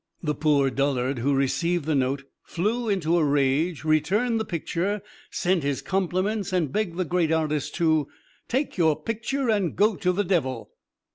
The poor dullard who received the note flew into a rage returned the picture sent his compliments and begged the great artist to "take your picture and go to the devil."